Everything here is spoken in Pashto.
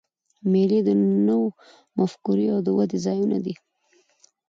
مېلې د نوو مفکورې د ودي ځایونه دي.